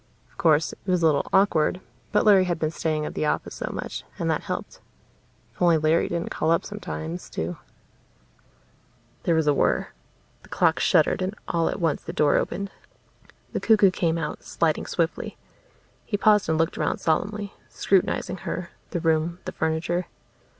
Of course, it was a little awkward, but Larry had been staying at the office so much, and that helped. If only Larry didn't call up sometimes to There was a whirr. The clock shuddered and all at once the door opened. The cuckoo came out, sliding swiftly. He paused and looked around solemnly, scrutinizing her, the room, the furniture.